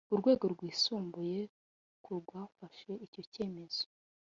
urwego rwisumbuye ku rwafashe icyo cyemezo